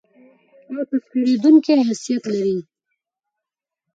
او تسخېرېدونکى حيثيت لري.